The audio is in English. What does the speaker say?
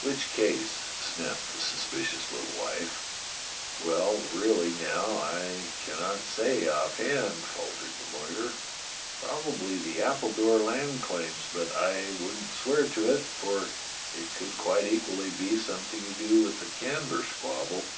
"Which case? " snapped the suspicious little wife. "Well, really, now, I cannot say off hand," faltered the lawyer. "Probably the Appledore land claims, but I wouldn't swear to it, for it could quite equally be something to do with the Canver squabble.